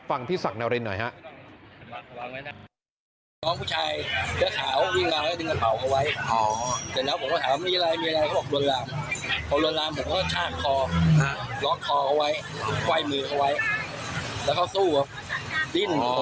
ฟังพี่ศักดิ์นารินหน่อยครับ